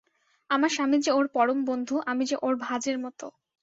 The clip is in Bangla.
আমার স্বামী যে ওঁর পরম বন্ধু, আমি যে ওঁর ভাজের মতো।